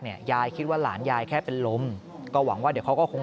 ยายคิดว่าหลานยายแค่เป็นลมก็หวังว่าเดี๋ยวเขาก็คง